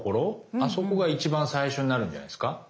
あそこが一番最初になるんじゃないですか？